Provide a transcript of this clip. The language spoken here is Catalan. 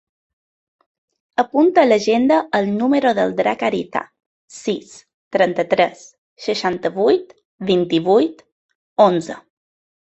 Apunta a l'agenda el número del Drac Ariza: sis, trenta-tres, seixanta-vuit, vint-i-vuit, onze.